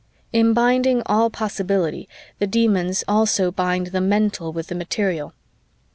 "In binding all possibility, the Demons also bind the mental with the material.